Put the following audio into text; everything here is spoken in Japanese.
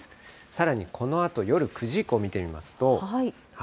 さらにこのあと夜９時以降見てみますと。